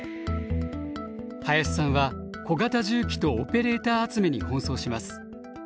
林さんは小型重機とオペレーター集めに奔走します。